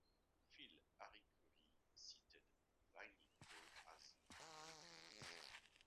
Phil Arcuri cited Vinnie Paul as an influence.